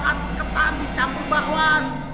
makan ketan dicampur baruan